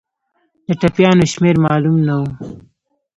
د ټپیانو شمېر معلوم نه وو.